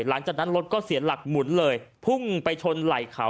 หลังจากนั้นรถก็เสียหลักหมุนเลยพุ่งไปชนไหล่เขา